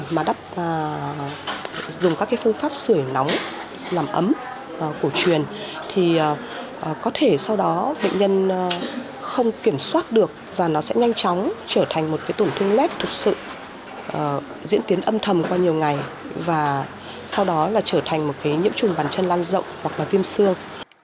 và dùng các phương pháp sửa nóng làm ấm cổ truyền thì có thể sau đó bệnh nhân không kiểm soát được và nó sẽ nhanh chóng trở thành một cái tổn thương nét thực sự diễn tiến âm thầm qua nhiều ngày và sau đó là trở thành một cái nhiễm trùng bàn chân lan rộng hoặc là viêm xương